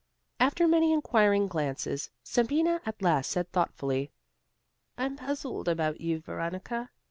After many inquiring glances, Sabina at last said thoughtfully: "I'm puzzled about you, Veronica.